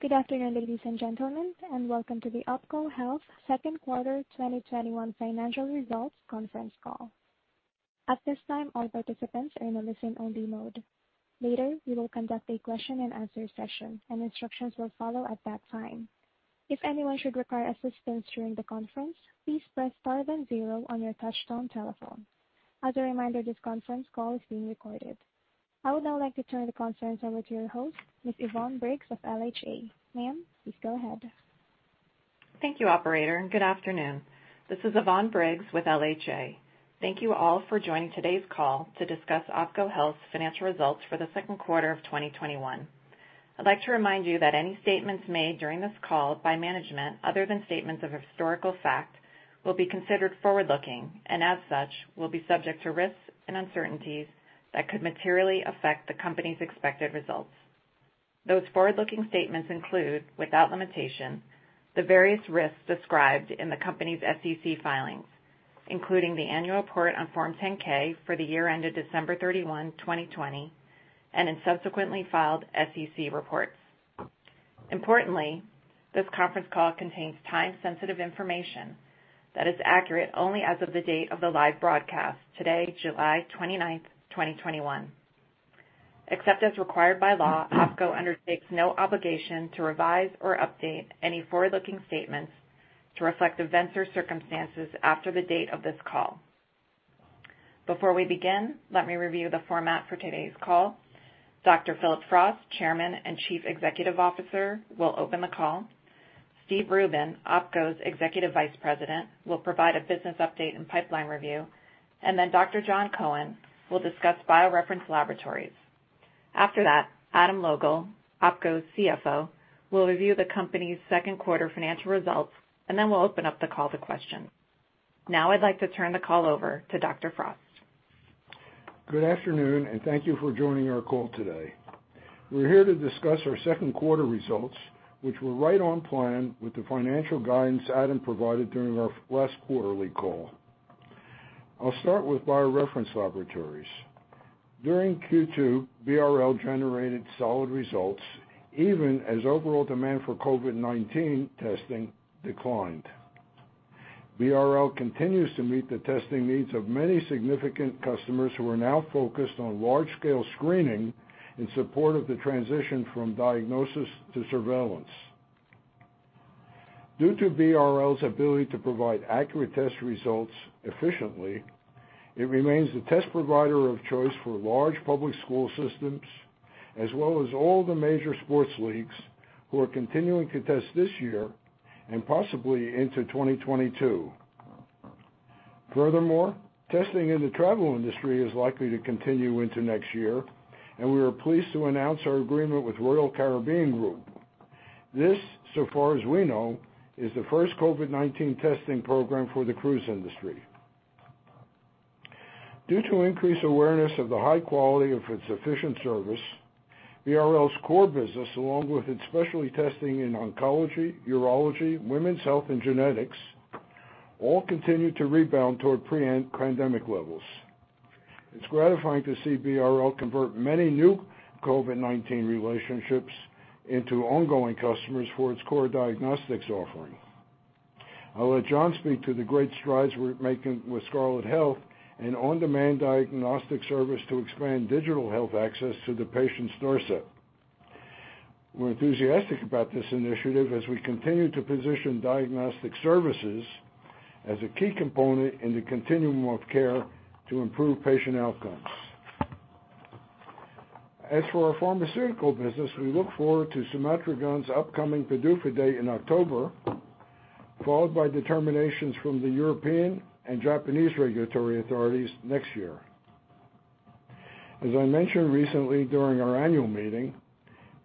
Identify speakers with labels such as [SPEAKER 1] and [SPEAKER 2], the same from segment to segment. [SPEAKER 1] Good afternoon, ladies and gentlemen, and welcome to the OPKO Health second quarter 2021 financial results conference call. I would now like to turn the conference over to your host, Ms. Yvonne Briggs of LHA. Ma'am, please go ahead.
[SPEAKER 2] Thank you, operator, and good afternoon. This is Yvonne Briggs with LHA. Thank you all for joining today's call to discuss OPKO Health's financial results for the second quarter of 2021. I'd like to remind you that any statements made during this call by management, other than statements of historical fact, will be considered forward-looking, and as such, will be subject to risks and uncertainties that could materially affect the company's expected results. Those forward-looking statements include, without limitation, the various risks described in the company's SEC filings, including the annual report on Form 10-K for the year ended December 31, 2020, and in subsequently filed SEC reports. Importantly, this conference call contains time-sensitive information that is accurate only as of the date of the live broadcast today, July 29th, 2021. Except as required by law, OPKO undertakes no obligation to revise or update any forward-looking statements to reflect events or circumstances after the date of this call. Before we begin, let me review the format for today's call. Dr. Phillip Frost, Chairman and Chief Executive Officer, will open the call. Steve Rubin, OPKO's Executive Vice President, will provide a business update and pipeline review, and then Dr. Jon Cohen will discuss BioReference Laboratories. After that, Adam Logal, OPKO's CFO, will review the company's second quarter financial results, and then we'll open up the call to questions. Now I'd like to turn the call over to Dr. Frost.
[SPEAKER 3] Good afternoon, and thank you for joining our call today. We're here to discuss our second quarter results, which were right on plan with the financial guidance Adam provided during our last quarterly call. I'll start with BioReference Laboratories. During Q2, BRL generated solid results even as overall demand for COVID-19 testing declined. BRL continues to meet the testing needs of many significant customers who are now focused on large-scale screening in support of the transition from diagnosis to surveillance. Due to BRL's ability to provide accurate test results efficiently, it remains the test provider of choice for large public school systems, as well as all the major sports leagues who are continuing to test this year and possibly into 2022. Furthermore, testing in the travel industry is likely to continue into next year. We are pleased to announce our agreement with Royal Caribbean Group. This, so far as we know, is the first COVID-19 testing program for the cruise industry. Due to increased awareness of the high quality of its efficient service, BRL's core business, along with its specialty testing in oncology, urology, women's health, and genetics, all continue to rebound toward pre-pandemic levels. It's gratifying to see BRL convert many new COVID-19 relationships into ongoing customers for its core diagnostics offering. I'll let Jon speak to the great strides we're making with Scarlet Health, an on-demand diagnostic service to expand digital health access to the patient's doorstep. We're enthusiastic about this initiative as we continue to position diagnostic services as a key component in the continuum of care to improve patient outcomes. As for our pharmaceutical business, we look forward to somatrogon's upcoming PDUFA date in October, followed by determinations from the European and Japanese regulatory authorities next year. As I mentioned recently during our annual meeting,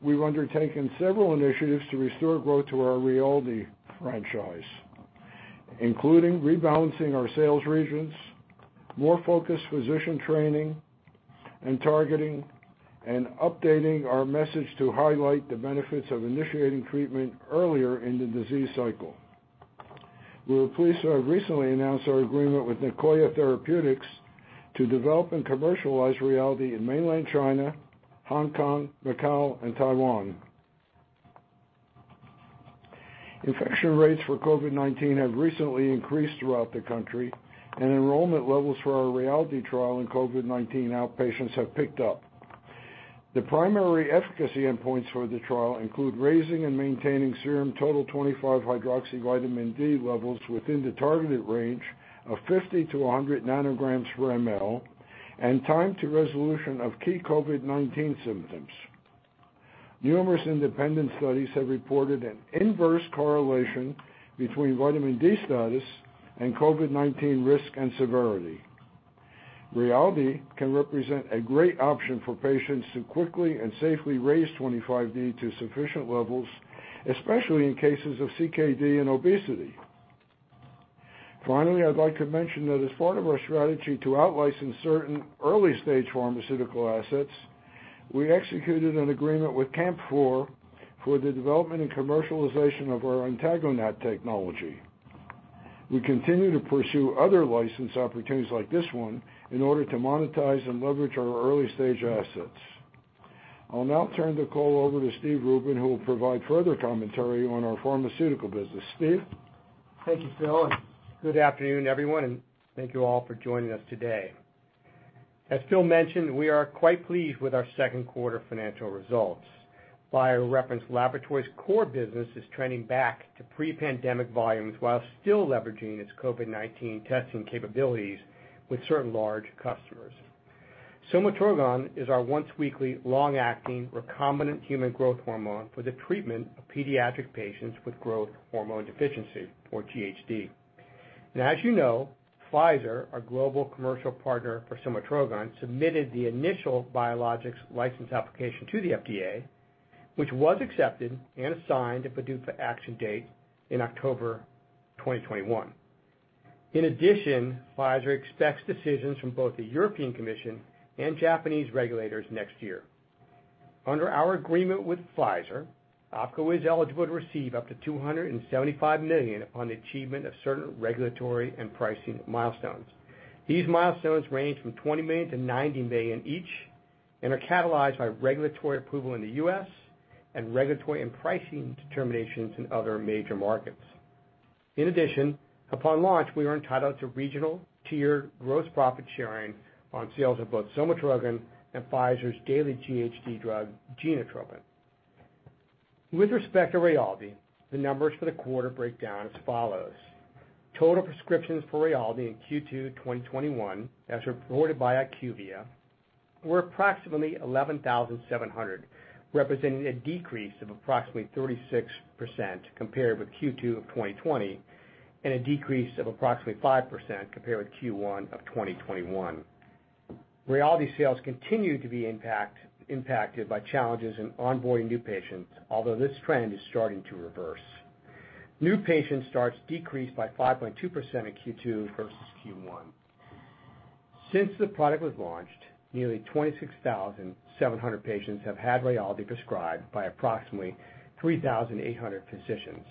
[SPEAKER 3] we've undertaken several initiatives to restore growth to our RAYALDEE franchise, including rebalancing our sales regions, more focused physician training, and targeting and updating our message to highlight the benefits of initiating treatment earlier in the disease cycle. We were pleased to have recently announced our agreement with Nicoya Therapeutics to develop and commercialize RAYALDEE in mainland China, Hong Kong, Macau, and Taiwan. Infection rates for COVID-19 have recently increased throughout the country, and enrollment levels for our RAYALDEE trial in COVID-19 outpatients have picked up. The primary efficacy endpoints for the trial include raising and maintaining serum total 25-hydroxyvitamin D levels within the targeted range of 50 to 100 nanograms per ML and time to resolution of key COVID-19 symptoms. Numerous independent studies have reported an inverse correlation between vitamin D status and COVID-19 risk and severity. RAYALDEE can represent a great option for patients to quickly and safely raise 25D to sufficient levels, especially in cases of CKD and obesity. Finally, I'd like to mention that as part of our strategy to out-license certain early-stage pharmaceutical assets, we executed an agreement with CAMP4 for the development and commercialization of our AntagoNAT technology. We continue to pursue other license opportunities like this one in order to monetize and leverage our early-stage assets. I'll now turn the call over to Steve Rubin, who will provide further commentary on our pharmaceutical business. Steve?
[SPEAKER 4] Thank you, Phillip. Good afternoon, everyone. Thank you all for joining us today. As Phillip mentioned, we are quite pleased with our second quarter financial results. BioReference Laboratories' core business is trending back to pre-pandemic volumes while still leveraging its COVID-19 testing capabilities with certain large customers. somatrogon is our once-weekly, long-acting recombinant human growth hormone for the treatment of pediatric patients with growth hormone deficiency, or GHD. As you know, Pfizer, our global commercial partner for somatrogon, submitted the initial biologics license application to the FDA, which was accepted and assigned a PDUFA action date in October 2021. Pfizer expects decisions from both the European Commission and Japanese regulators next year. Under our agreement with Pfizer, OPKO is eligible to receive up to $275 million on the achievement of certain regulatory and pricing milestones. These milestones range from $20 million to $90 million each and are catalyzed by regulatory approval in the U.S. and regulatory and pricing determinations in other major markets. In addition, upon launch, we are entitled to regional tiered gross profit sharing on sales of both somatrogon and Pfizer's daily GHD drug, Genotropin. With respect to RAYALDEE, the numbers for the quarter break down as follows. Total prescriptions for RAYALDEE in Q2 2021, as reported by IQVIA, were approximately 11,700, representing a decrease of approximately 36% compared with Q2 2020 and a decrease of approximately 5% compared with Q1 2021. RAYALDEE sales continue to be impacted by challenges in onboarding new patients, although this trend is starting to reverse. New patient starts decreased by 5.2% in Q2 versus Q1. Since the product was launched, nearly 26,700 patients have had RAYALDEE prescribed by approximately 3,800 physicians.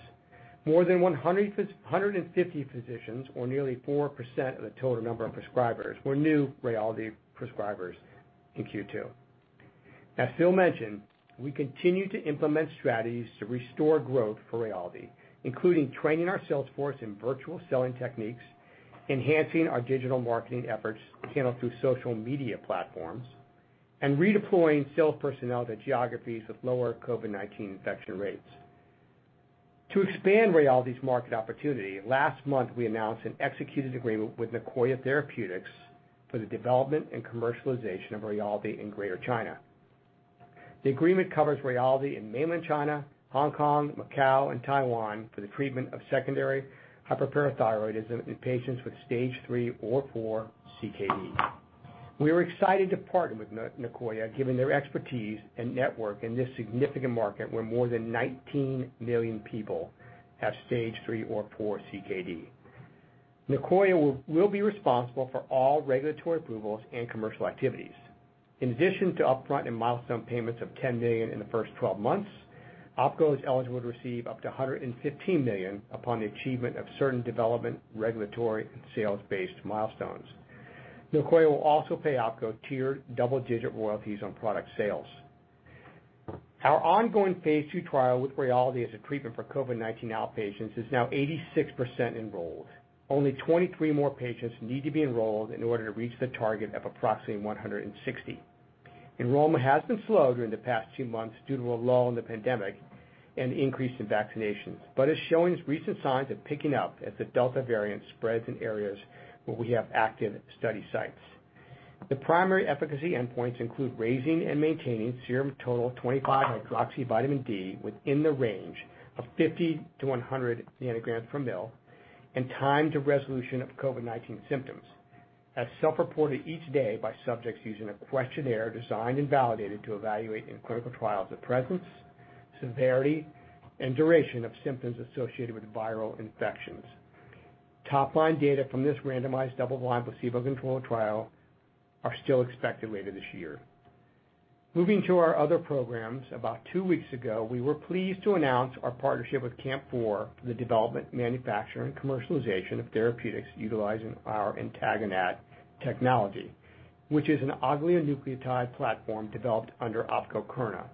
[SPEAKER 4] More than 150 physicians or nearly 4% of the total number of prescribers were new RAYALDEE prescribers in Q2. As Phil mentioned, we continue to implement strategies to restore growth for RAYALDEE, including training our sales force in virtual selling techniques, enhancing our digital marketing efforts channeled through social media platforms, and redeploying sales personnel to geographies with lower COVID-19 infection rates. To expand RAYALDEE's market opportunity, last month, we announced an executed agreement with Nicoya Therapeutics for the development and commercialization of RAYALDEE in Greater China. The agreement covers RAYALDEE in Mainland China, Hong Kong, Macau, and Taiwan for the treatment of secondary hyperparathyroidism in patients with Stage 3 or 4 CKD. We are excited to partner with Nicoya, given their expertise and network in this significant market where more than 19 million people have Stage 3 or 4 CKD. Nicoya will be responsible for all regulatory approvals and commercial activities. In addition to upfront and milestone payments of $10 million in the first 12 months, OPKO is eligible to receive up to $115 million upon the achievement of certain development, regulatory, and sales-based milestones. Nicoya will also pay OPKO tiered double-digit royalties on product sales. Our ongoing phase II trial with RAYALDEE as a treatment for COVID-19 outpatients is now 86% enrolled. Only 23 more patients need to be enrolled in order to reach the target of approximately 160. Enrollment has been slow during the past two months due to a lull in the pandemic and increase in vaccinations, but is showing recent signs of picking up as the Delta variant spreads in areas where we have active study sites. The primary efficacy endpoints include raising and maintaining serum total 25-hydroxyvitamin D within the range of 50 to 100 nanograms per ml, and time to resolution of COVID-19 symptoms as self-reported each day by subjects using a questionnaire designed and validated to evaluate in clinical trials the presence, severity, and duration of symptoms associated with viral infections. Top-line data from this randomized, double-blind, placebo-controlled trial are still expected later this year. Moving to our other programs. About two weeks ago, we were pleased to announce our partnership with CAMP4 for the development, manufacture, and commercialization of therapeutics utilizing our AntagoNAT technology, which is an oligonucleotide platform developed under OPKO CURNA.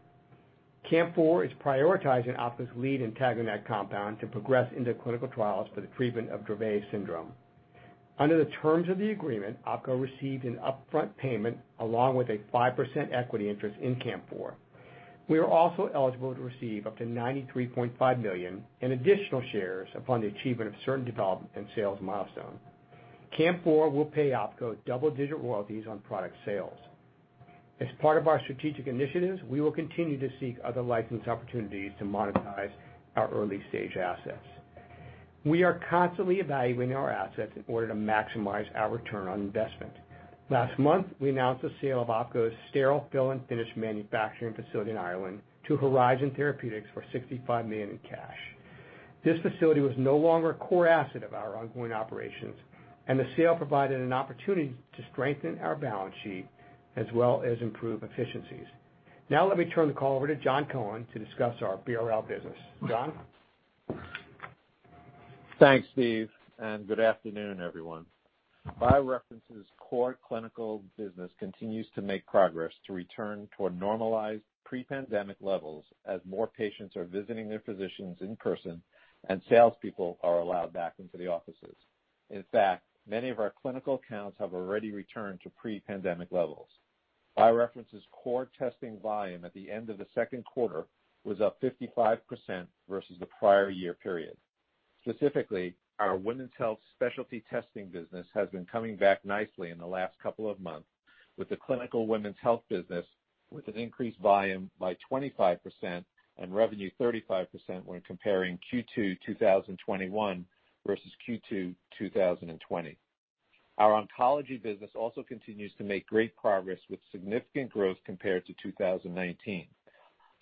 [SPEAKER 4] CAMP4 is prioritizing OPKO's lead AntagoNAT compound to progress into clinical trials for the treatment of Dravet syndrome. Under the terms of the agreement, OPKO received an upfront payment along with a 5% equity interest in CAMP4. We are also eligible to receive up to $93.5 million in additional shares upon the achievement of certain development and sales milestones. CAMP4 will pay OPKO double-digit royalties on product sales. As part of our strategic initiatives, we will continue to seek other license opportunities to monetize our early-stage assets. We are constantly evaluating our assets in order to maximize our return on investment. Last month, we announced the sale of OPKO's sterile fill and finish manufacturing facility in Ireland to Horizon Therapeutics for $65 million in cash. This facility was no longer a core asset of our ongoing operations, and the sale provided an opportunity to strengthen our balance sheet as well as improve efficiencies. Now let me turn the call over to Jon Cohen to discuss our BRL business. Jon?
[SPEAKER 5] Thanks, Steve, and good afternoon, everyone. BioReference's core clinical business continues to make progress to return toward normalized pre-pandemic levels as more patients are visiting their physicians in person and salespeople are allowed back into the offices. Many of our clinical accounts have already returned to pre-pandemic levels. BioReference's core testing volume at the end of the second quarter was up 55% versus the prior year period. Our women's health specialty testing business has been coming back nicely in the last couple of months, with the clinical women's health business with an increased volume by 25% and revenue 35% when comparing Q2 2021 versus Q2 2020. Our oncology business also continues to make great progress with significant growth compared to 2019.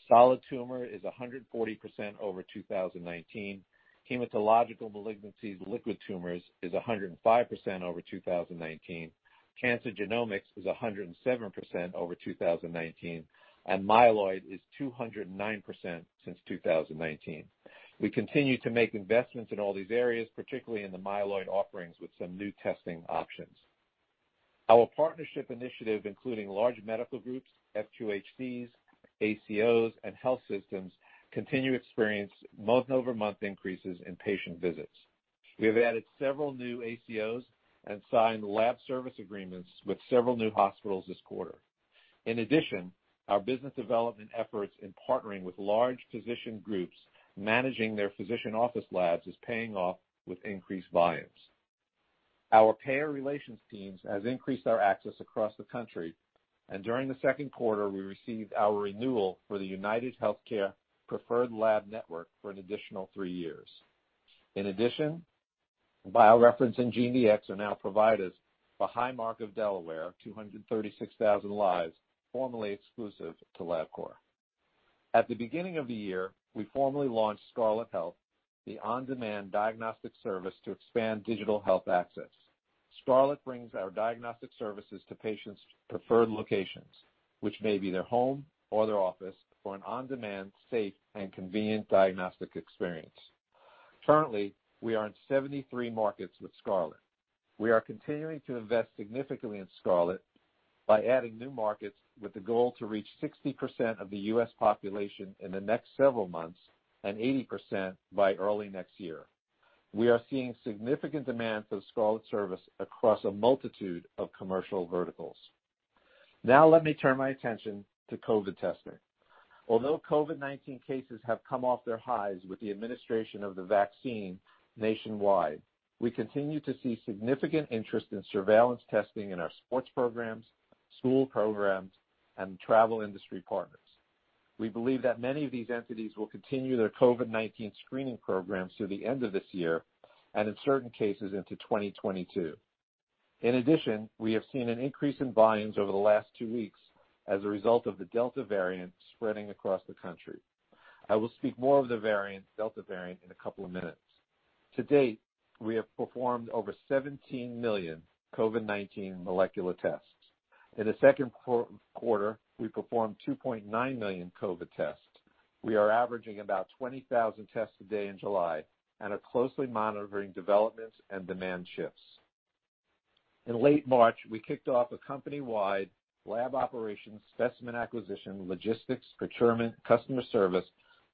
[SPEAKER 5] Solid tumor is 140% over 2019. Hematological malignancies liquid tumors is 105% over 2019. Cancer genomics is 107% over 2019, and myeloid is 209% since 2019. We continue to make investments in all these areas, particularly in the myeloid offerings with some new testing options. Our partnership initiative, including large medical groups, FQHCs, ACOs, and health systems, continue to experience month-over-month increases in patient visits. We have added several new ACOs and signed lab service agreements with several new hospitals this quarter. In addition, our business development efforts in partnering with large physician groups managing their physician office labs is paying off with increased volumes. Our payer relations teams has increased our access across the country, and during the second quarter, we received our renewal for the UnitedHealthcare Preferred Lab network for an additional three years. In addition, BioReference and GeneDx are now providers for Highmark of Delaware, 236,000 lives, formerly exclusive to LabCorp. At the beginning of the year, we formally launched Scarlet Health, the on-demand diagnostic service to expand digital health access. Scarlet brings our diagnostic services to patients' preferred locations, which may be their home or their office, for an on-demand, safe, and convenient diagnostic experience. Currently, we are in 73 markets with Scarlet. We are continuing to invest significantly in Scarlet by adding new markets with the goal to reach 60% of the U.S. population in the next several months and 80% by early next year. We are seeing significant demands of Scarlet service across a multitude of commercial verticals. Let me turn my attention to COVID testing. Although COVID-19 cases have come off their highs with the administration of the vaccine nationwide, we continue to see significant interest in surveillance testing in our sports programs, school programs, and travel industry partners. We believe that many of these entities will continue their COVID-19 screening programs through the end of this year, and in certain cases, into 2022. In addition, we have seen an increase in volumes over the last two weeks as a result of the Delta variant spreading across the country. I will speak more of the Delta variant in a couple of minutes. To date, we have performed over 17 million COVID-19 molecular tests. In the second quarter, we performed 2.9 million COVID tests. We are averaging about 20,000 tests a day in July and are closely monitoring developments and demand shifts. In late March, we kicked off a company-wide lab operations, specimen acquisition, logistics, procurement, customer service,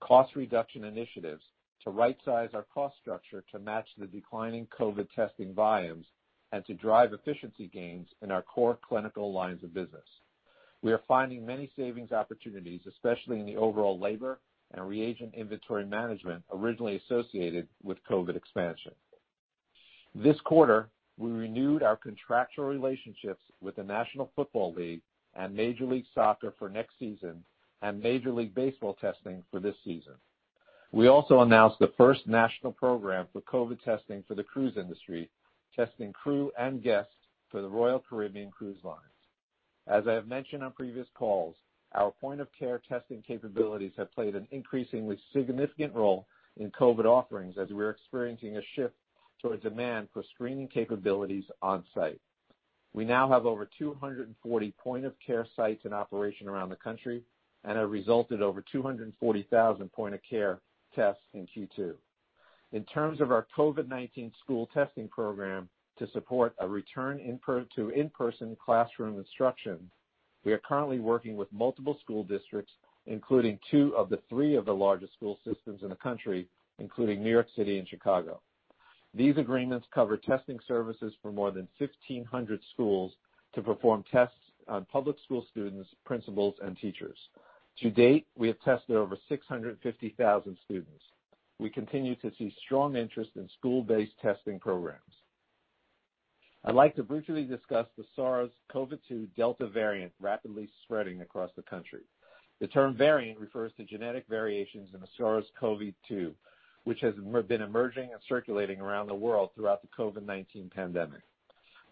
[SPEAKER 5] cost reduction initiatives to right size our cost structure to match the declining COVID testing volumes and to drive efficiency gains in our core clinical lines of business. We are finding many savings opportunities, especially in the overall labor and reagent inventory management originally associated with COVID expansion. This quarter, we renewed our contractual relationships with the National Football League and Major League Soccer for next season and Major League Baseball testing for this season. We also announced the first national program for COVID testing for the cruise industry, testing crew and guests for the Royal Caribbean. As I have mentioned on previous calls, our point-of-care testing capabilities have played an increasingly significant role in COVID offerings as we're experiencing a shift towards demand for screening capabilities on-site. We now have over 240 point-of-care sites in operation around the country and have resulted over 240,000 point-of-care tests in Q2. In terms of our COVID-19 school testing program to support a return to in-person classroom instruction, we are currently working with multiple school districts, including two of the three of the largest school systems in the country, including New York City and Chicago. These agreements cover testing services for more than 1,500 schools to perform tests on public school students, principals, and teachers. To date, we have tested over 650,000 students. We continue to see strong interest in school-based testing programs. I'd like to briefly discuss the SARS-CoV-2 Delta variant rapidly spreading across the country. The term variant refers to genetic variations in the SARS-CoV-2, which has been emerging and circulating around the world throughout the COVID-19 pandemic.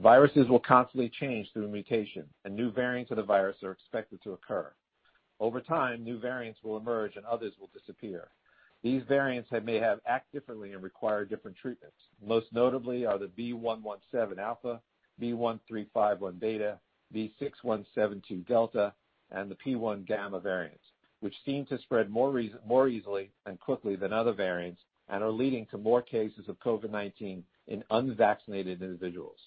[SPEAKER 5] Viruses will constantly change through mutation, and new variants of the virus are expected to occur. Over time, new variants will emerge, and others will disappear. These variants may act differently and require different treatments. Most notably are the B.1.1.7 Alpha, B.1.351 Beta, B.1.617.2 Delta, and the P.1 Gamma variants, which seem to spread more easily and quickly than other variants and are leading to more cases of COVID-19 in unvaccinated individuals.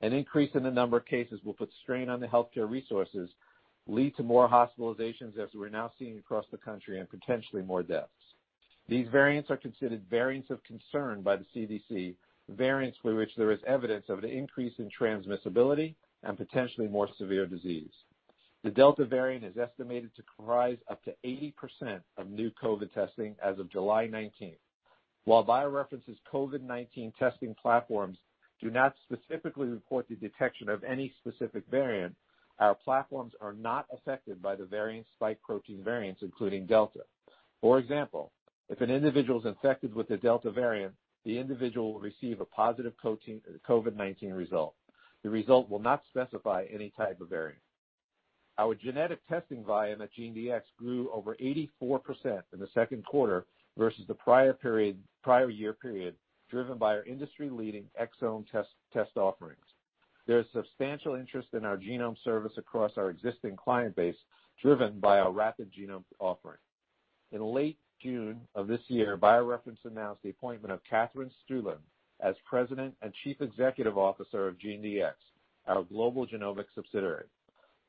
[SPEAKER 5] An increase in the number of cases will put strain on the healthcare resources, lead to more hospitalizations, as we're now seeing across the country, and potentially more deaths. These variants are considered variants of concern by the CDC, variants for which there is evidence of an increase in transmissibility and potentially more severe disease. The Delta variant is estimated to comprise up to 80% of new COVID testing as of July 19th. While BioReference's COVID-19 testing platforms do not specifically report the detection of any specific variant, our platforms are not affected by the variant spike protein variants, including Delta. For example, if an individual is infected with the Delta variant, the individual will receive a positive COVID-19 result. The result will not specify any type of variant. Our genetic testing volume at GeneDx grew over 84% in the second quarter versus the prior year period, driven by our industry-leading exome test offerings. There is substantial interest in our genome service across our existing client base, driven by our rapid genome offering. In late June of this year, BioReference announced the appointment of Katherine Stueland as President and Chief Executive Officer of GeneDx, our global genomic subsidiary.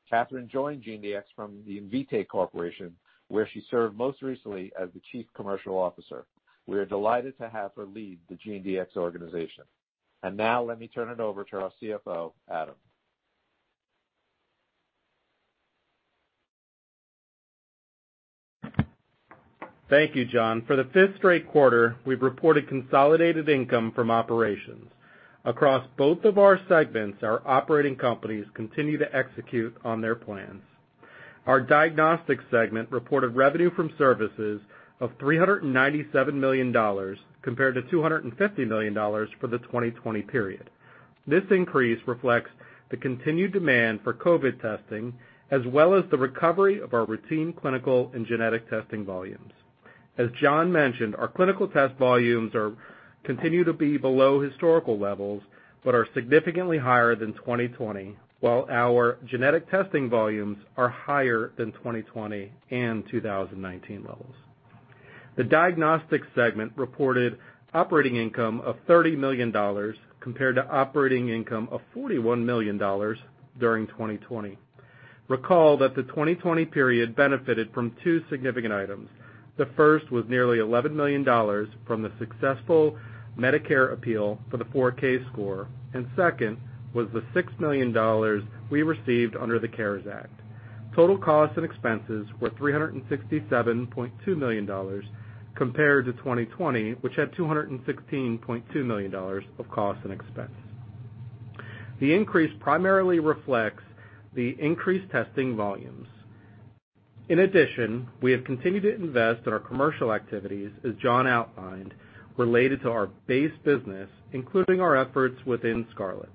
[SPEAKER 5] Katherine joined GeneDx from the Invitae Corporation, where she served most recently as the Chief Commercial Officer. We are delighted to have her lead the GeneDx organization. Now let me turn it over to our CFO, Adam.
[SPEAKER 6] Thank you, Jon. For the fifth straight quarter, we've reported consolidated income from operations. Across both of our segments, our operating companies continue to execute on their plans. Our Diagnostics segment reported revenue from services of $397 million compared to $250 million for the 2020 period. This increase reflects the continued demand for COVID testing, as well as the recovery of our routine clinical and genetic testing volumes. As Jon mentioned, our clinical test volumes continue to be below historical levels, but are significantly higher than 2020, while our genetic testing volumes are higher than 2020 and 2019 levels. The Diagnostics segment reported operating income of $30 million compared to operating income of $41 million during 2020. Recall that the 2020 period benefited from 2 significant items. The first was nearly $11 million from the successful Medicare appeal for the 4Kscore. Second was the $6 million we received under the CARES Act. Total costs and expenses were $367.2 million compared to 2020, which had $216.2 million of costs and expense. The increase primarily reflects the increased testing volumes. In addition, we have continued to invest in our commercial activities, as Jon outlined, related to our base business, including our efforts within Scarlet Health,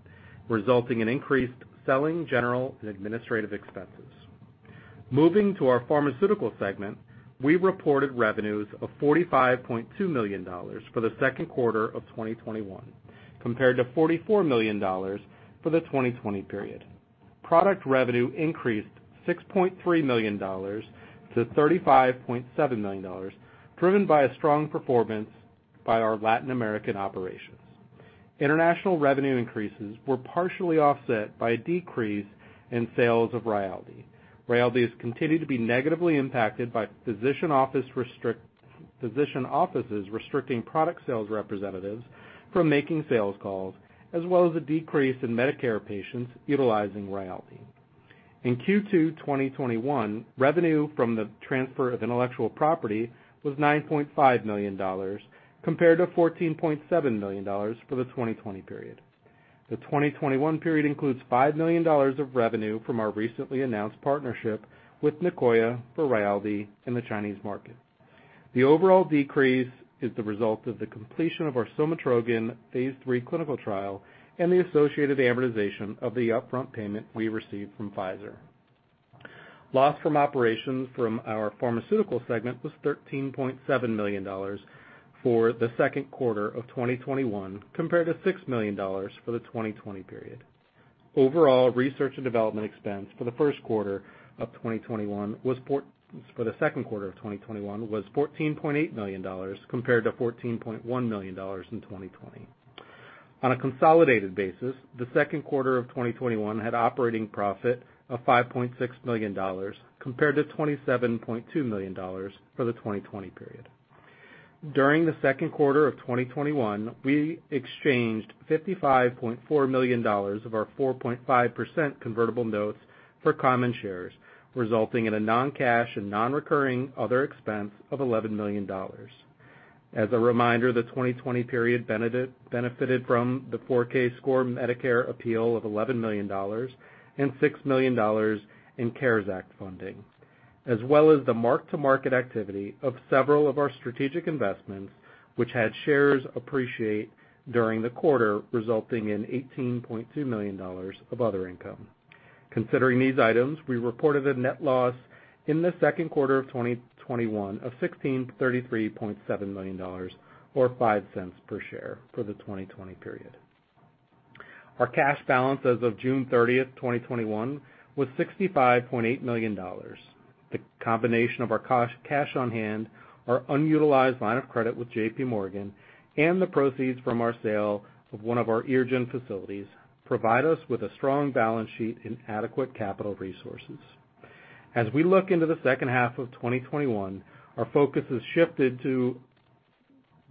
[SPEAKER 6] resulting in increased selling, general, and administrative expenses. Moving to our Pharmaceutical segment, we reported revenues of $45.2 million for the second quarter of 2021 compared to $44 million for the 2020 period. Product revenue increased $6.3 million to $35.7 million, driven by a strong performance by our Latin American operations. International revenue increases were partially offset by a decrease in sales of RAYALDEE. RAYALDEE has continued to be negatively impacted by physician offices restricting product sales representatives from making sales calls, as well as a decrease in Medicare patients utilizing RAYALDEE. In Q2 2021, revenue from the transfer of intellectual property was $9.5 million compared to $14.7 million for the 2020 period. The 2021 period includes $5 million of revenue from our recently announced partnership with Nicoya for RAYALDEE in the Chinese market. The overall decrease is the result of the completion of our somatrogon phase III clinical trial and the associated amortization of the upfront payment we received from Pfizer. Loss from operations from our Pharmaceutical segment was $13.7 million for the second quarter of 2021 compared to $6 million for the 2020 period. Overall, research and development expense for the second quarter of 2021 was $14.8 million compared to $14.1 million in 2020. On a consolidated basis, the second quarter of 2021 had operating profit of $5.6 million compared to $27.2 million for the 2020 period. During the second quarter of 2021, we exchanged $55.4 million of our 4.5% convertible notes for common shares, resulting in a non-cash and non-recurring other expense of $11 million. As a reminder, the 2020 period benefited from the 4Kscore Medicare appeal of $11 million and $6 million in CARES Act funding, as well as the mark-to-market activity of several of our strategic investments, which had shares appreciate during the quarter, resulting in $18.2 million of other income. Considering these items, we reported a net loss in the second quarter of 2021 of $1,633.7 million, or $0.05 per share for the 2020 period. Our cash balance as of June 30th, 2021 was $65.8 million. The combination of our cash on hand, our unutilized line of credit with JPMorgan, and the proceeds from our sale of one of our Ireland facilities, provide us with a strong balance sheet and adequate capital resources. As we look into the second half of 2021, our focus has shifted to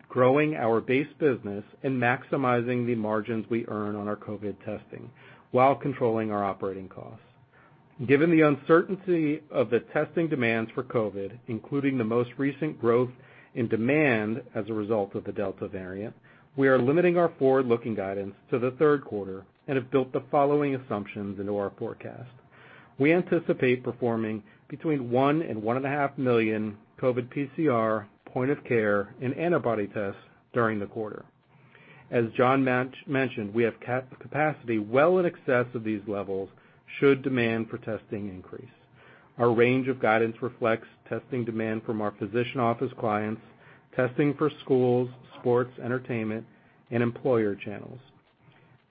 [SPEAKER 6] growing our base business and maximizing the margins we earn on our COVID testing while controlling our operating costs. Given the uncertainty of the testing demands for COVID, including the most recent growth in demand as a result of the Delta variant, we are limiting our forward-looking guidance to the third quarter and have built the following assumptions into our forecast. We anticipate performing between 1 million and 1.5 million COVID PCR point of care and antibody tests during the quarter. As Jon R. Cohen mentioned, we have capacity well in excess of these levels should demand for testing increase. Our range of guidance reflects testing demand from our physician office clients, testing for schools, sports, entertainment, and employer channels.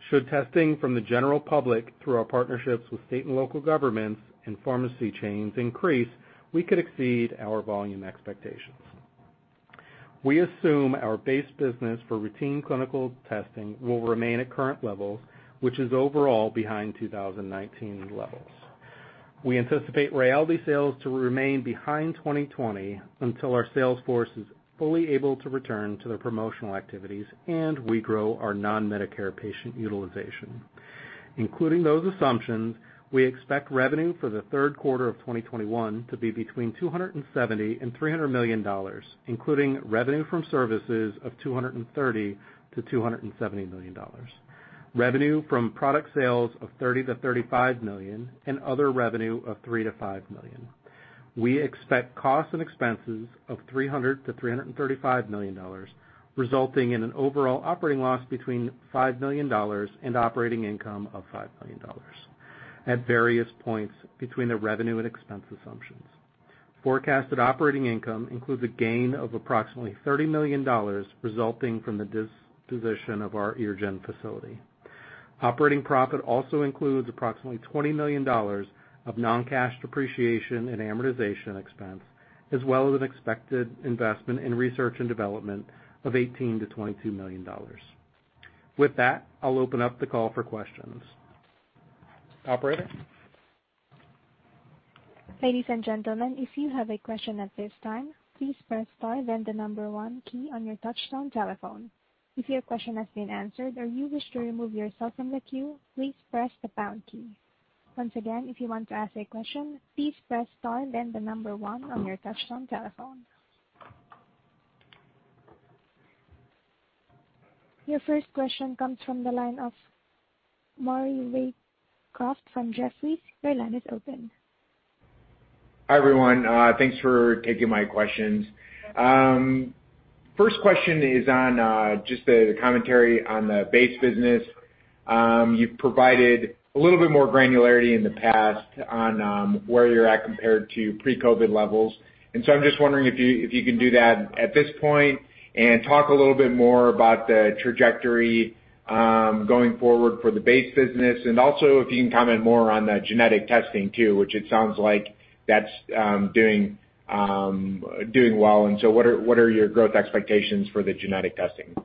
[SPEAKER 6] Should testing from the general public through our partnerships with state and local governments and pharmacy chains increase, we could exceed our volume expectations. We assume our base business for routine clinical testing will remain at current levels, which is overall behind 2019 levels. We anticipate RAYALDEE sales to remain behind 2020 until our sales force is fully able to return to their promotional activities and we grow our non-Medicare patient utilization. Including those assumptions, we expect revenue for the third quarter of 2021 to be between $270 million and $300 million, including revenue from services of $230 million-$270 million. Revenue from product sales of $30 million-$35 million and other revenue of $3 million-$5 million. We expect costs and expenses of $300 million-$335 million, resulting in an overall operating loss between $5 million and operating income of $5 million at various points between the revenue and expense assumptions. Forecasted operating income includes a gain of approximately $30 million resulting from the disposition of our Ireland facility. Operating profit also includes approximately $20 million of non-cash depreciation and amortization expense, as well as an expected investment in research and development of $18 million-$22 million. With that, I'll open up the call for questions. Operator?
[SPEAKER 1] Your first question comes from the line of Maury Raycroft from Jefferies. Your line is open.
[SPEAKER 7] Hi, everyone. Thanks for taking my questions. First question is on just the commentary on the base business. You've provided a little bit more granularity in the past on where you're at compared to pre-COVID levels. I'm just wondering if you can do that at this point and talk a little bit more about the trajectory going forward for the base business, and also if you can comment more on the genetic testing too, which it sounds like that's doing well. What are your growth expectations for the genetic testing?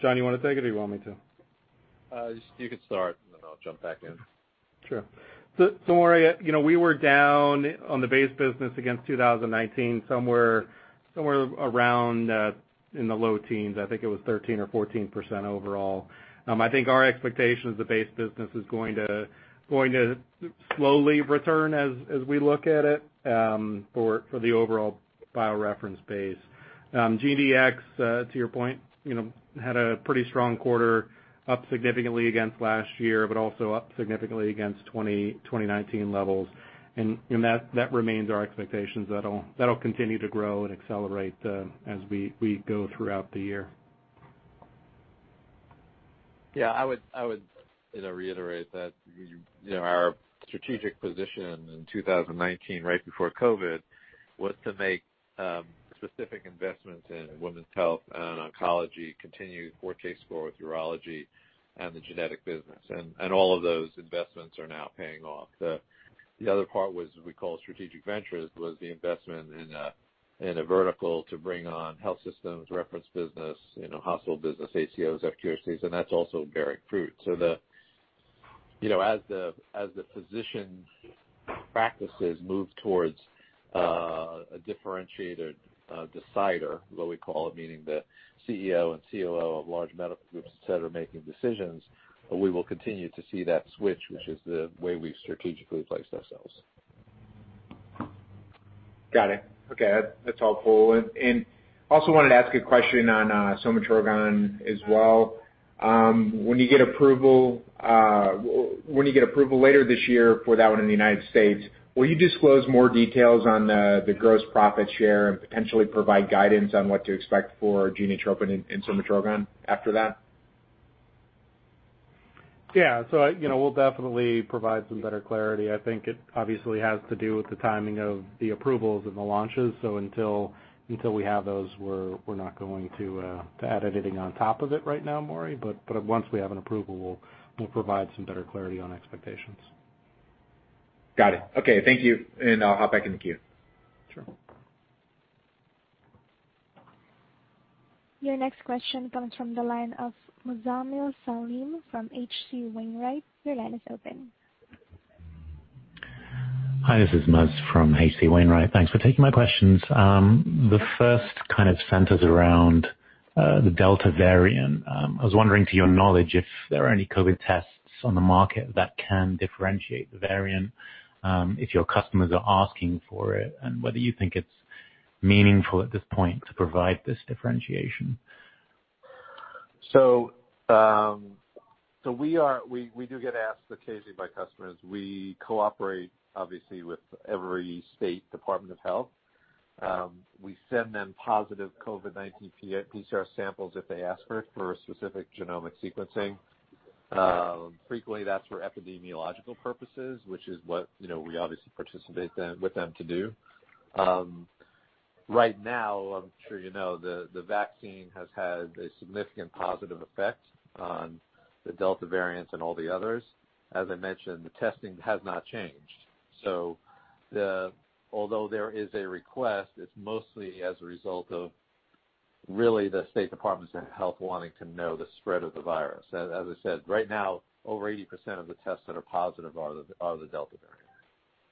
[SPEAKER 6] Jon, you want to take it or you want me to?
[SPEAKER 5] You can start, and then I'll jump back in.
[SPEAKER 6] Sure. Maury, we were down on the base business against 2019, somewhere around in the low teens. I think it was 13% or 14% overall. I think our expectation is the base business is going to slowly return as we look at it, for the overall BioReference base. GDX, to your point, had a pretty strong quarter, up significantly against last year, but also up significantly against 2019 levels. That remains our expectations. That'll continue to grow and accelerate as we go throughout the year.
[SPEAKER 5] Yeah, I would reiterate that our strategic position in 2019, right before COVID, was to make specific investments in women's health and oncology, continue 4Kscore with urology and the genetic business. All of those investments are now paying off. The other part was, we call strategic ventures, was the investment in a vertical to bring on health systems, reference business, hospital business, ACOs, FQHCs, that's also bearing fruit. As the physician practices move towards a differentiated decider, what we call it, meaning the CEO and COO of large medical groups, et cetera, making decisions, we will continue to see that switch, which is the way we've strategically placed ourselves.
[SPEAKER 7] Got it. Okay. That's helpful. Also wanted to ask a question on Somatrogon as well. When you get approval later this year for that one in the U.S., will you disclose more details on the gross profit share and potentially provide guidance on what to expect for Genotropin and Somatrogon after that?
[SPEAKER 6] Yeah. We'll definitely provide some better clarity. I think it obviously has to do with the timing of the approvals and the launches. Until we have those, we're not going to add anything on top of it right now, Maury. Once we have an approval, we'll provide some better clarity on expectations.
[SPEAKER 7] Got it. Okay, thank you. I'll hop back in the queue.
[SPEAKER 6] Sure.
[SPEAKER 1] Your next question comes from the line of Muzamil Saleem from H.C. Wainwright & Co. Your line is open.
[SPEAKER 8] Hi, this is Muz from H.C. Wainwright. Thanks for taking my questions. The first kind of centers around the Delta variant. I was wondering, to your knowledge, if there are any COVID tests on the market that can differentiate the variant, if your customers are asking for it, and whether you think it's meaningful at this point to provide this differentiation.
[SPEAKER 5] We do get asked occasionally by customers. We cooperate, obviously, with every state department of health. We send them positive COVID-19 PCR samples if they ask for it, for specific genomic sequencing. Frequently, that's for epidemiological purposes, which is what we obviously participate with them to do. Right now, I'm sure you know, the vaccine has had a significant positive effect on the Delta variant and all the others. As I mentioned, the testing has not changed. Although there is a request, it's mostly as a result of really the state departments of health wanting to know the spread of the virus. As I said, right now, over 80% of the tests that are positive are the Delta variant.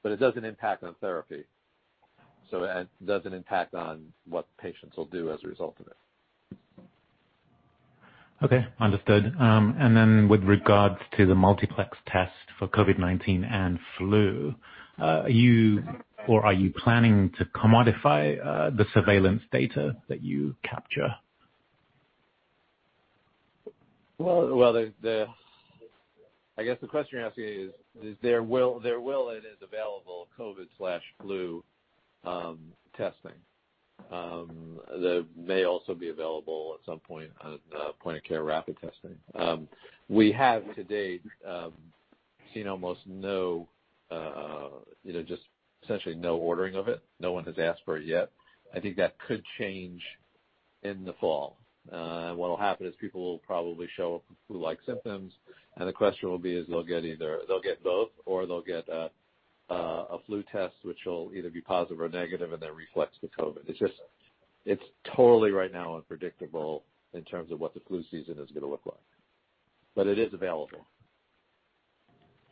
[SPEAKER 5] It doesn't impact on therapy, so it doesn't impact on what patients will do as a result of it.
[SPEAKER 8] Okay, understood. With regards to the multiplex test for COVID-19 and flu, are you or are you planning to commodify the surveillance data that you capture?
[SPEAKER 5] I guess the question you're asking is there will and is available COVID/flu testing, that may also be available at some point at point-of-care rapid testing. We have to date seen almost no, just essentially no ordering of it. No one has asked for it yet. I think that could change in the fall. What'll happen is people will probably show up with flu-like symptoms, and the question will be is they'll get either both, or they'll get a flu test, which will either be positive or negative, and then reflects the COVID. It's just, it's totally, right now, unpredictable in terms of what the flu season is going to look like. It is available.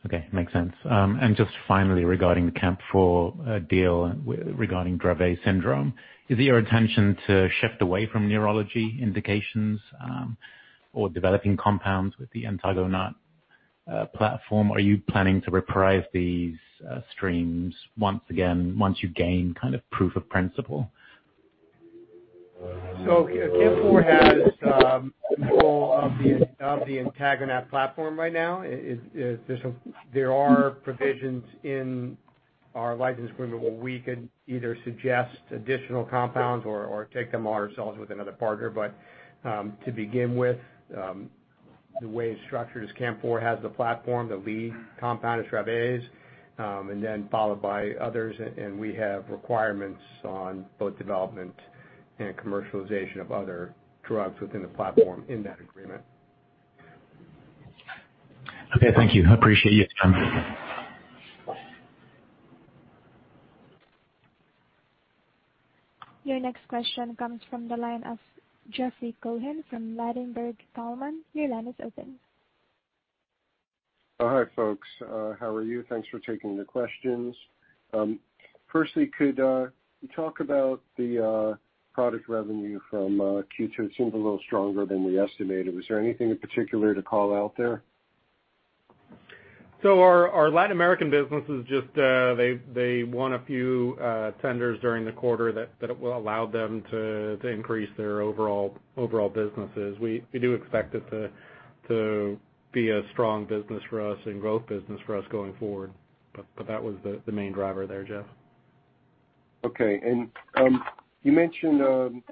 [SPEAKER 8] Okay. Makes sense. Just finally, regarding the CAMP4 deal regarding Dravet syndrome, is it your intention to shift away from neurology indications or developing compounds with the AntagoNAT platform? Are you planning to reprise these streams once again, once you gain kind of proof of principle?
[SPEAKER 6] CAMP4 has control of the AntagoNAT platform right now. There are provisions in our license agreement where we could either suggest additional compounds or take them on ourselves with another partner. To begin with, the way it's structured is CAMP4 has the platform, the lead compound is Dravet, and then followed by others, and we have requirements on both development and commercialization of other drugs within the platform in that agreement.
[SPEAKER 8] Okay. Thank you. I appreciate your time.
[SPEAKER 1] Your next question comes from the line of Jeffrey Cohen from Ladenburg Thalmann. Your line is open.
[SPEAKER 9] Hi, folks. How are you? Thanks for taking the questions. Firstly, could you talk about the product revenue from Q2? It seemed a little stronger than we estimated. Was there anything in particular to call out there?
[SPEAKER 6] Our Latin American business is just, they won a few tenders during the quarter that will allow them to increase their overall businesses. We do expect it to be a strong business for us and growth business for us going forward. That was the main driver there, Jeff.
[SPEAKER 9] Okay. You mentioned the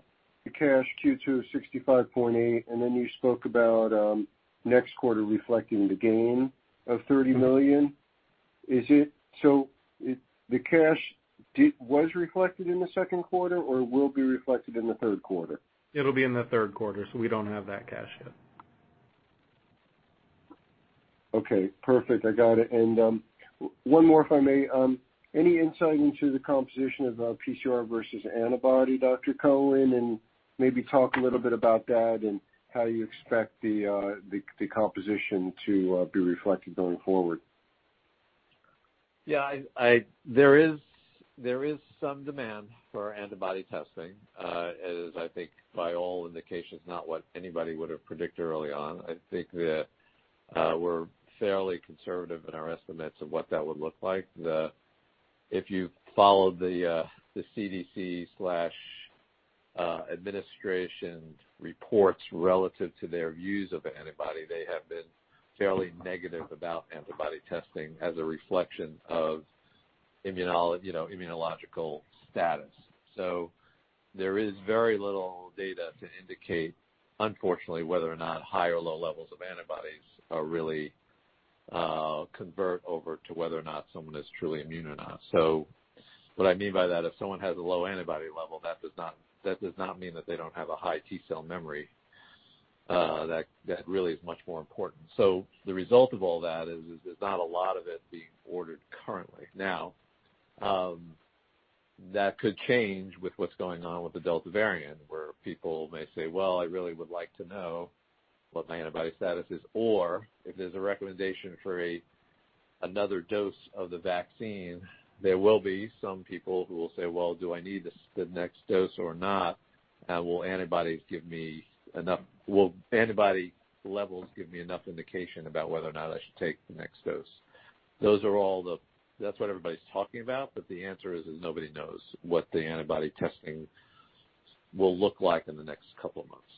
[SPEAKER 9] cash Q2 of $65.8, then you spoke about next quarter reflecting the gain of $30 million. The cash was reflected in the second quarter or will be reflected in the third quarter?
[SPEAKER 6] It'll be in the third quarter, so we don't have that cash yet.
[SPEAKER 9] Okay, perfect. I got it. One more, if I may. Any insight into the composition of PCR versus antibody, Dr. Cohen? Maybe talk a little bit about that and how you expect the composition to be reflected going forward.
[SPEAKER 5] Yeah. There is some demand for antibody testing, as I think by all indications, not what anybody would have predicted early on. I think that we're fairly conservative in our estimates of what that would look like. If you followed the CDC/administration reports relative to their views of antibody, they have been fairly negative about antibody testing as a reflection of immunological status. There is very little data to indicate, unfortunately, whether or not high or low levels of antibodies really convert over to whether or not someone is truly immune or not. What I mean by that, if someone has a low antibody level, that does not mean that they don't have a high T cell memory. That really is much more important. The result of all that is, there's not a lot of it being ordered currently. That could change with what's going on with the Delta variant, where people may say, "Well, I really would like to know what my antibody status is." Or if there's a recommendation for another dose of the vaccine, there will be some people who will say, "Well, do I need the next dose or not? Will antibody levels give me enough indication about whether or not I should take the next dose?" That's what everybody's talking about, but the answer is that nobody knows what the antibody testing will look like in the next couple of months.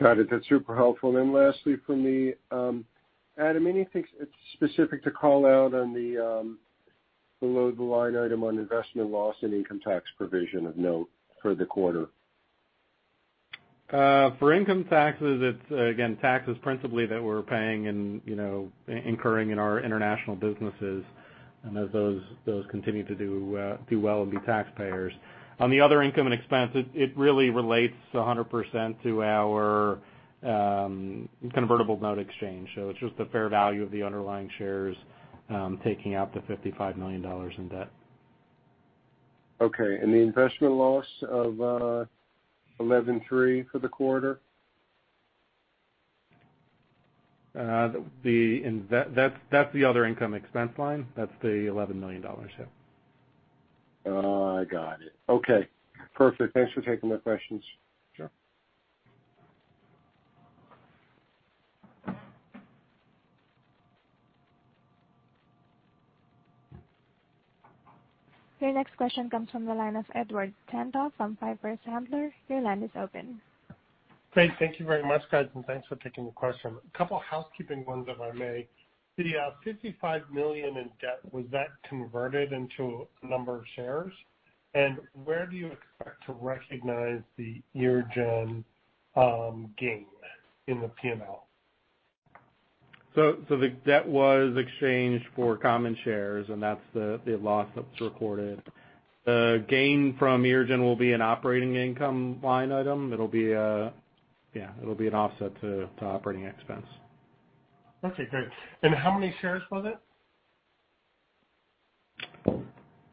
[SPEAKER 9] Got it. That's super helpful. Lastly from me, Adam, anything specific to call out on the below-the-line item on investment loss and income tax provision of note for the quarter?
[SPEAKER 6] For income taxes, it's again, taxes principally that we're paying and incurring in our international businesses, and as those continue to do well and be taxpayers. On the other income and expense, it really relates 100% to our convertible note exchange. It's just the fair value of the underlying shares taking out the $55 million in debt.
[SPEAKER 9] Okay. The investment loss of $11.3 for the quarter?
[SPEAKER 6] That's the other income expense line. That's the $11 million hit.
[SPEAKER 9] Oh, I got it. Okay, perfect. Thanks for taking the questions.
[SPEAKER 6] Sure.
[SPEAKER 1] Your next question comes from the line of Edward Tenthoff from Piper Sandler. Your line is open.
[SPEAKER 10] Great. Thank you very much, guys, and thanks for taking the question. A couple of housekeeping ones if I may. The $55 million in debt, was that converted into a number of shares? Where do you expect to recognize the earnings gain in the P&L?
[SPEAKER 6] The debt was exchanged for common shares, and that's the loss that was recorded. The gain from GeneDx will be an operating income line item. It'll be an offset to operating expense.
[SPEAKER 10] Okay, great. How many shares was it?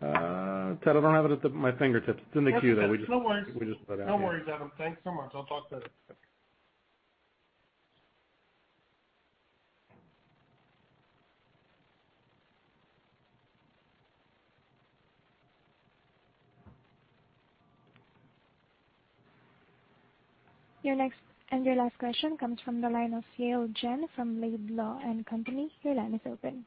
[SPEAKER 6] Edward, I don't have it at my fingertips. It's in the Q that we just.
[SPEAKER 10] No worries.
[SPEAKER 6] put out there.
[SPEAKER 10] No worries, Adam. Thanks so much. I'll talk to you.
[SPEAKER 1] Your last question comes from the line of Yale Jen from Laidlaw & Company. Your line is open.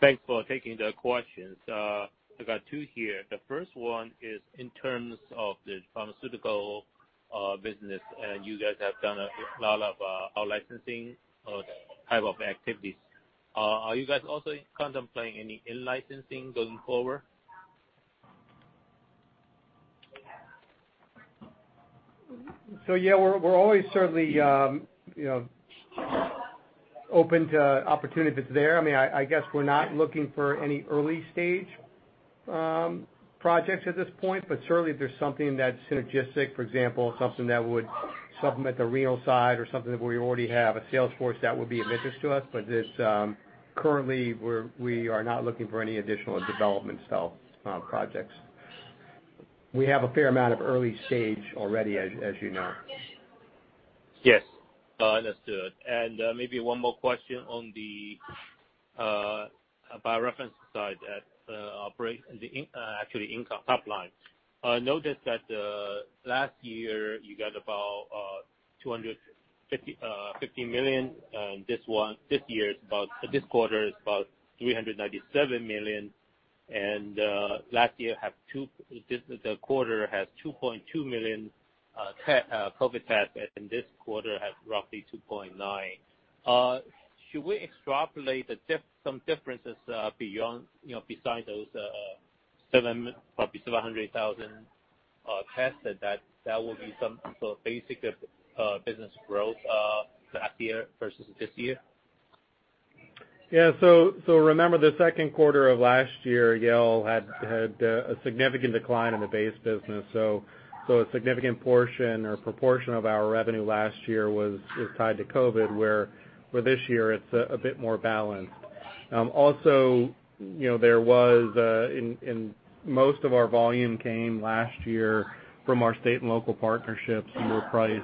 [SPEAKER 11] Thanks for taking the questions. I've got two here. The first one is in terms of the pharmaceutical business, and you guys have done a lot of out-licensing type of activities. Are you guys also contemplating any in-licensing going forward?
[SPEAKER 6] Yeah, we're always certainly open to opportunity if it's there. I guess we're not looking for any early-stage projects at this point. Certainly, if there's something that's synergistic, for example, something that would supplement the renal side or something where we already have a sales force, that would be of interest to us. Currently, we are not looking for any additional development-style projects. We have a fair amount of early stage already, as you know.
[SPEAKER 11] Yes. Understood. Maybe one more question on the BioReference side at actually income top line. I noticed that last year you got about $250 million. This quarter is about $397 million, and last year the quarter has 2.2 million COVID tests, and this quarter has roughly 2.9 million. Should we extrapolate some differences besides those probably 700,000 tests, that that will be some sort of basic business growth last year versus this year?
[SPEAKER 6] Yeah. Remember the second quarter of last year, Yale had a significant decline in the base business. A significant portion or proportion of our revenue last year was tied to COVID, where this year it's a bit more balanced. Also, most of our volume came last year from our state and local partnerships and were priced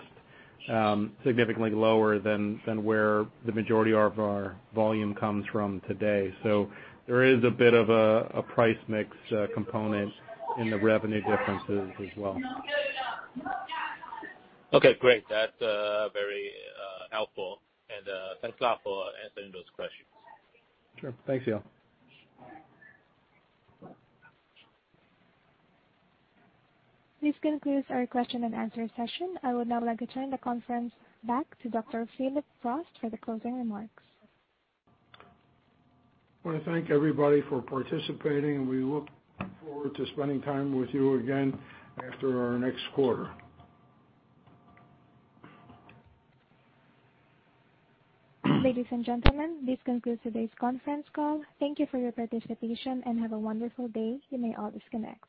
[SPEAKER 6] significantly lower than where the majority of our volume comes from today. There is a bit of a price mix component in the revenue differences as well.
[SPEAKER 11] Okay, great. That's very helpful. Thanks a lot for answering those questions.
[SPEAKER 6] Sure. Thanks, Yale.
[SPEAKER 1] This concludes our question and answer session. I would now like to turn the conference back to Dr. Phillip Frost for the closing remarks.
[SPEAKER 3] I want to thank everybody for participating, and we look forward to spending time with you again after our next quarter.
[SPEAKER 1] Ladies and gentlemen, this concludes today's conference call. Thank you for your participation, and have a wonderful day. You may all disconnect.